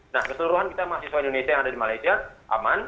nah keseluruhan kita mahasiswa indonesia yang ada di malaysia aman